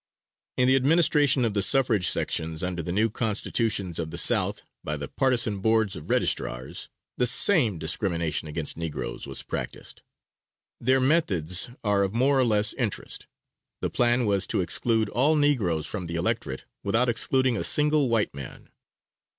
In the administration of the suffrage sections under the new Constitutions of the South by the partisan boards of registrars, the same discrimination against negroes was practiced. Their methods are of more or less interest. The plan was to exclude all negroes from the electorate without excluding a single white man.